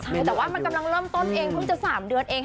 ใช่แต่ว่ามันกำลังเริ่มต้นเอง